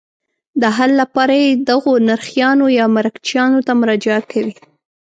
د حل لپاره یې دغو نرخیانو یا مرکچیانو ته مراجعه کوي.